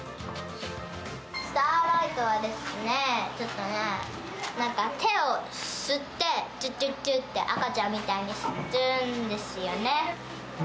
スターライトはですね、ちょっとね、なんか手を吸って、ちゅちゅちゅって、赤ちゃんみたいにするんですよね。